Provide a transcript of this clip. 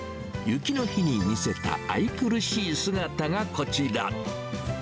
雪の日に見せた愛くるしい姿がこちら。